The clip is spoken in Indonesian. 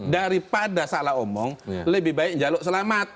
daripada salah omong lebih baik jaluk selamat